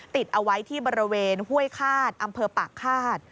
ติดเอาไว้ที่บริเวณห้วยคาดอำเภอปากฆาต